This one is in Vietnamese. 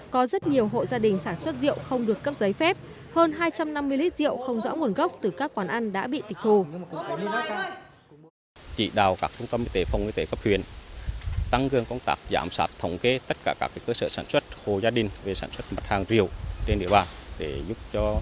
có rất nhiều hộ gia đình sản xuất rượu không được cấp giấy phép hơn hai trăm năm mươi lít rượu không rõ nguồn gốc từ các quán ăn đã bị tịch thù